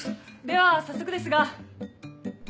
では早速ですが。